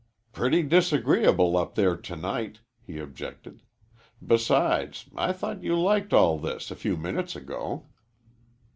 "Pretty disagreeable up there to night," he objected; "besides, I thought you liked all this a few minutes ago."